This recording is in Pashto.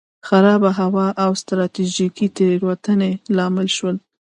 خرابه هوا او ستراتیژیکې تېروتنې لامل شول.